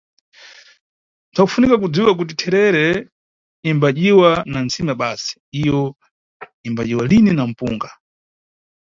Mpsakufunika kudziwa kuti therere imbadyiwa na ntsima basi, iyo imbadyiwa lini na mpunga.